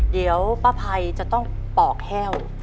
เดี๋ยวป้าภัยจะต้องปอกแห้ว